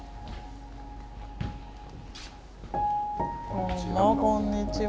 どうもこんにちは。